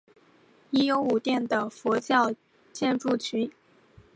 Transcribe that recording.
已有五殿的佛教建筑群。